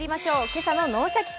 今朝の「脳シャキ！